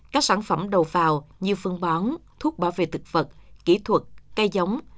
các sản phẩm đầu vào như phương bán thuốc bảo vệ thực vật kỹ thuật cây giống